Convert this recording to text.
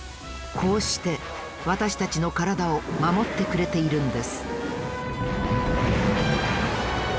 こうしてわたしたちのからだを守ってくれているんです。